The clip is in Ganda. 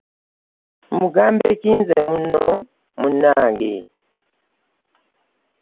Nkugambe ki nze munno munnange?